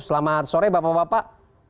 selamat sore bapak bapak